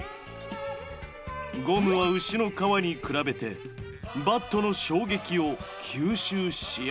ゴムは牛の革に比べてバットの衝撃を吸収しやすい。